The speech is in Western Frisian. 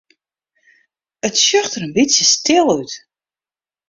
It sjocht der in bytsje stil út.